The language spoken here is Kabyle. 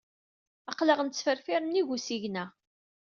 Aql-aɣ nettferfir nnig usigna.